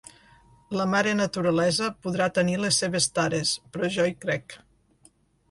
La mare Naturalesa podrà tenir les seves tares, però jo hi crec